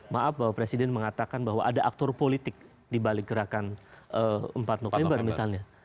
maaf bahwa presiden mengatakan bahwa ada aktor politik dibalik gerakan empat november misalnya